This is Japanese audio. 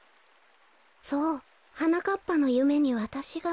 そうはなかっぱのゆめにわたしが。